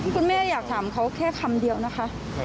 แม่อยากถามเขาแค่คำเดียวนะคะ